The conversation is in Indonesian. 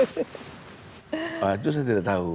itu saya tidak tahu